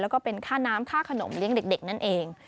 แล้วก็เป็นค่าน้ำค่าขนมเลี้ยงเด็กนั่นเอง